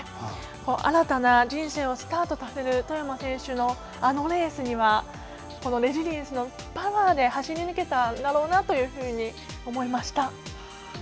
新たな人生をスタートさせる外山選手のあのレースはレジリエンスのパワーで走り抜けたんだろうなと思いました。